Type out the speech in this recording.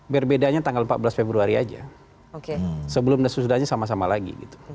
berbedanya tanggal empat belas februari aja sebelum dan sesudahnya sama sama lagi